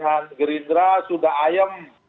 dengan gerindra sudah ayem